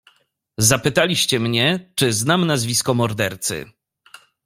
"Zapytaliście mnie, czy znam nazwisko mordercy."